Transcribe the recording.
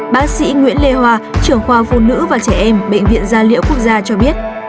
bác sĩ nguyễn lê hòa trưởng khoa phụ nữ và trẻ em bệnh viện gia liễu quốc gia cho biết